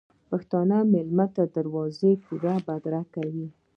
پښتون میلمه تر دروازې پورې بدرګه کوي.